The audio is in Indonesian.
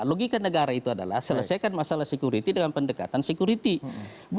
logika negara itu adalah selesaikan masalah security dengan pendekatan security